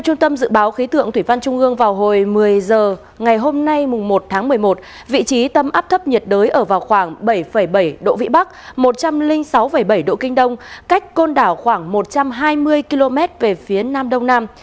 trung tâm dự báo khí tượng thủy văn trung ương vào hồi một mươi h ngày hôm nay một tháng một mươi một vị trí tâm áp thấp nhiệt đới ở vào khoảng bảy bảy độ vĩ bắc một trăm linh sáu bảy độ kinh đông cách côn đảo khoảng một trăm hai mươi km về phía nam đông nam